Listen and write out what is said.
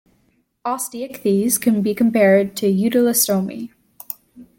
Osteichthyes can be compared to Euteleostomi.